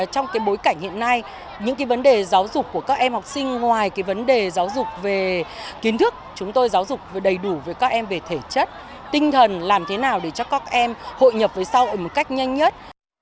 trong bối cảnh hiện nay những vấn đề giáo dục của các em học sinh ngoài vấn đề giáo dục về kiến thức chúng tôi giáo dục đầy đủ với các em về thể chất tinh thần làm thế nào để cho các em hội nhập với sau ở một cách nhanh nhất